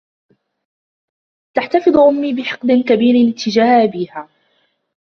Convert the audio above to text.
تحتفظ أمي بحقد كبير تجاه أبيها.